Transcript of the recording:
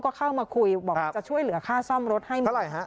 ก็เข้ามาคุยบอกว่าจะช่วยเหลือค่าซ่อมรถให้เมื่อไหร่